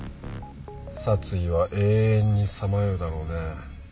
殺意は永遠にさまようだろうね。